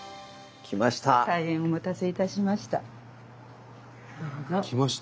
大変お待たせいたしました。